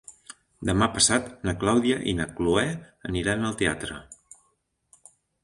Demà passat na Clàudia i na Cloè aniran al teatre.